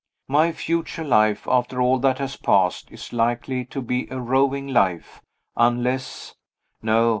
My future life, after all that has passed, is likely to be a roving life, unless No!